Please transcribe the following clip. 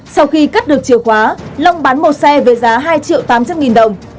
sau khi cắt được chiều khóa long bán một xe với giá hai triệu tám trăm linh nghìn đồng